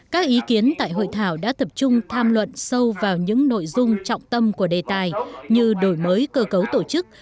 các ý kiến tại hội thảo đã tập trung tham luận sâu vào những nội dung trọng tâm của đề tài như đổi mới cơ cấu tổ chức